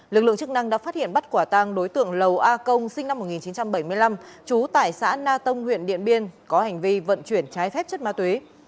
lực lượng chức năng đã phát hiện bắt quả tang đối tượng lầu a công sinh năm một nghìn chín trăm bảy mươi năm trú tại xã na tông huyện điện biên có hành vi vận chuyển trái phép chất ma túy